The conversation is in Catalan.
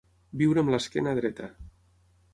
Viure amb l'esquena dreta.